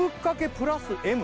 プラスＭ？